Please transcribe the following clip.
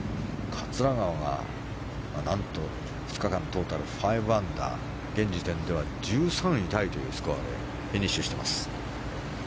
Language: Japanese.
桂川は何と２日間トータル５アンダー、現時点では１３位タイというスコアでフィニッシュしています。